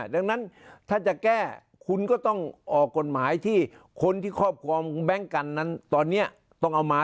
ดังนั้นถ้าจะแก้คุณก็ต้องออกกฎหมายที่คนที่ครอบครองแบงค์กันนั้นตอนนี้ต้องเอามา